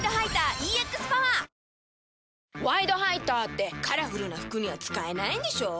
「ワイドハイター」ってカラフルな服には使えないんでしょ？